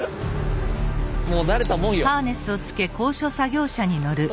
もう慣れたもんよ。